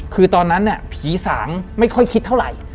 คือตอนนั้นเนี่ยผีสางไม่ค่อยคิดเท่าไหร่